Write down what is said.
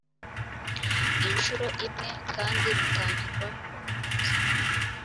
inshuro imwe kandi rutangirwa ku buyobozi